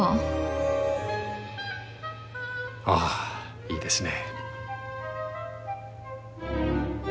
あいいですね。